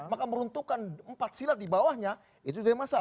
maka meruntuhkan empat silat dibawahnya itu jadi masalah